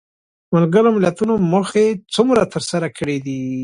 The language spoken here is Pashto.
ملګرو ملتونو موخې څومره تر سره کړې دي؟